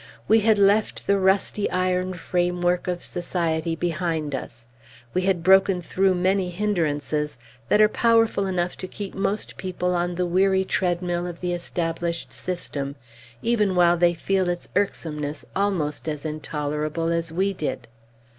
We had left the rusty iron framework of society behind us; we had broken through many hindrances that are powerful enough to keep most people on the weary treadmill of the established system, even while they feel its irksomeness almost as intolerable as we did.